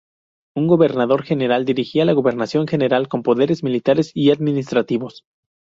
Un gobernador general dirigía la gobernación general con poderes militares y administrativos.